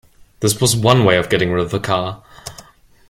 This was one way of getting rid of the car.